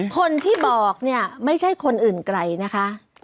คนที่บอกเนี่ยไม่ใช่คนอื่นไกลนะคะ